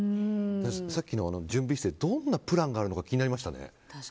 さっきの準備室ってどんなプランがあるのか気になりましたね。